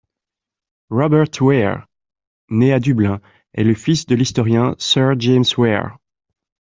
Robert Ware, né à Dublin, est le fils de l'historien Sir James Ware.